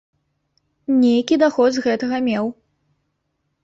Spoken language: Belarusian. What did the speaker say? Нейкі даход з гэтага меў.